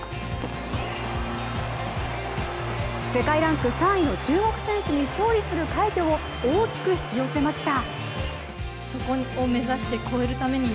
世界ランク３位の中国選手に勝利する快挙を大きく引き寄せました。